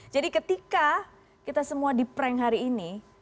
ketika kita semua di prank hari ini